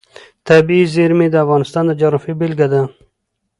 طبیعي زیرمې د افغانستان د جغرافیې بېلګه ده.